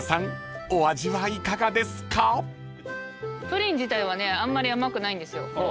プリン自体はねあんまり甘くないんですよ。